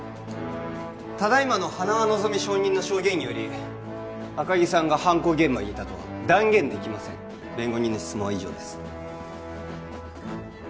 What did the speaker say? ただいまの塙望美証人の証言により赤木さんが犯行現場にいたとは断言できません弁護人の質問は以上です